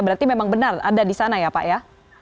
berarti memang benar ada di sana ya pak ya